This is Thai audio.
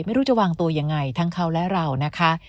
ไม่รู้จะวางตัวยังไงทั้งเขาและเรานะคะ